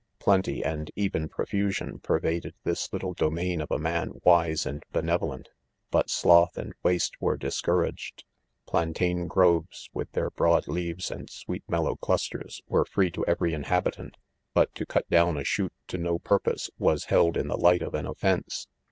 Plenty, and 'even profusion, pervaded this little domain of a man wise and benevolent^ but sloth and, waste were discouraged. Plan tain grove s, with their broad leaves and sweet mellow clusters, were free to every inhabitant | but to cut down a shoot to no purpose, was held in the light of an offence.